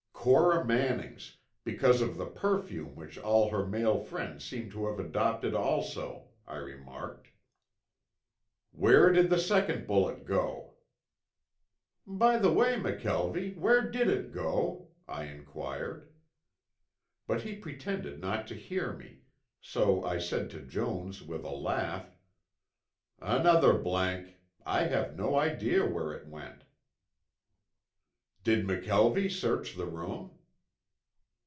"Cora Manning's, because of the perfume which all her male friends seem to have adopted also," I remarked. "Where did the second bullet go?" "By the way, McKelvie, where did it go?" I inquired. But he pretended not to hear me, so I said to Jones with a laugh, "Another blank. I have no idea where it went." "Did McKelvie search the room?"